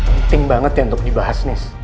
penting banget ya untuk dibahas nih